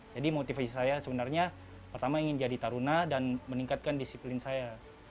jadi motivasi saya sebenarnya pertama ingin jadi taruna dan meningkatkan disiplin saya